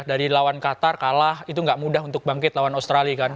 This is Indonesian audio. dari lawan qatar kalah itu nggak mudah untuk bangkit lawan australia kan